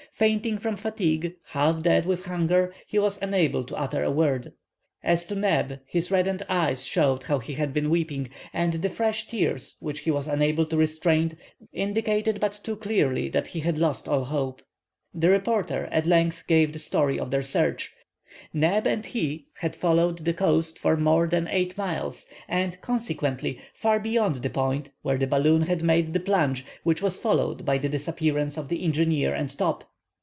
Fainting from fatigue, half dead with hunger, he was unable to utter a word. As to Neb, his reddened eyes showed how he had been weeping, and the fresh tears which he was unable to restrain, indicated, but too clearly, that he had lost all hope. The reporter at length gave the history of their search. Neb and he had followed the coast for more than eight miles, and, consequently, far beyond the point where the balloon had made the plunge which was followed by the disappearance of the engineer and Top.